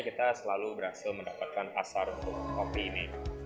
kita selalu berhasil mendapatkan pasar untuk kopi ini